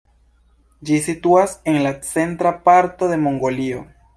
Ĝi situas en la centra parto de Mongolio.